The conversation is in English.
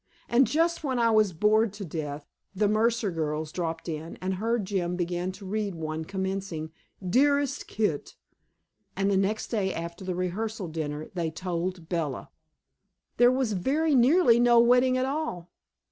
And just when I was bored to death, the Mercer girls dropped in and heard Jim begin to read one commencing "dearest Kit." And the next day after the rehearsal dinner, they told Bella! There was very nearly no wedding at all.